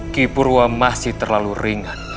kipurwa masih terlalu ringan